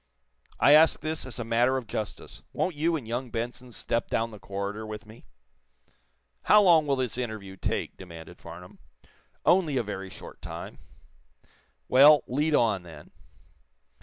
"I ask this as a matter of justice. Won't you and young Benson step down the corridor with me?" "How long will this interview take?" demanded Farnum. "Only a very short time." "Well, lead on, then."